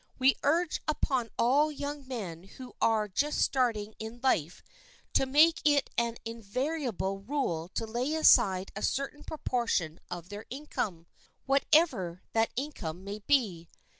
We urge upon all young men who are just starting in life to make it an invariable rule to lay aside a certain proportion of their income, whatever that income may be.